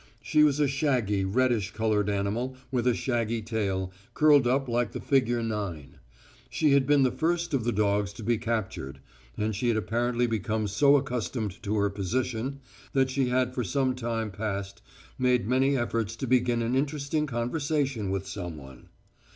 She was a shaggy, reddish coloured animal with a shaggy tail, curled up like the figure 9. She had been the first of the dogs to be captured, and she had apparently become so accustomed to her position that she had for some time past made many efforts to begin an interesting conversation with someone.